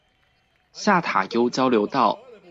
下塔悠交流道